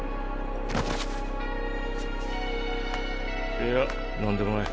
いやなんでもない。